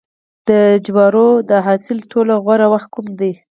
د جوارو د حاصل ټولولو غوره وخت کوم دی؟